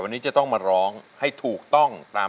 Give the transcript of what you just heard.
เปลี่ยนเพลงเก่งของคุณและข้ามผิดได้๑คำ